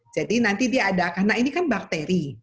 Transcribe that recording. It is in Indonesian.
jadi nanti dia ada karena ini kan bakteri